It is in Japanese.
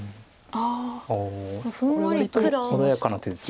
ああこれ割と穏やかな手です。